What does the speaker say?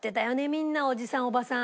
みんなおじさんおばさん。